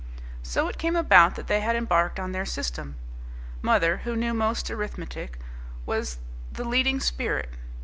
So it came about that they had embarked on their system. Mother, who knew most arithmetic, was the leading spirit.